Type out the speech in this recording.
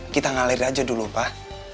kita ngalir aja dulu pak